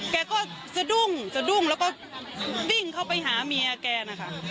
แกก็สะดุ้งสะดุ้งแล้วก็วิ่งเข้าไปหาเมียแกนะคะ